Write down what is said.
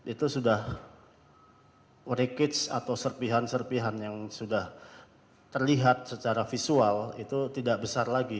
itu sudah rekage atau serpihan serpihan yang sudah terlihat secara visual itu tidak besar lagi